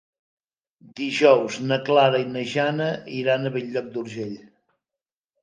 Dijous na Clara i na Jana iran a Bell-lloc d'Urgell.